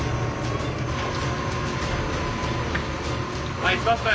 はいストップ！